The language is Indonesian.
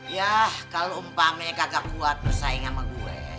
yah kalau umpame kagak kuat bersaing sama gue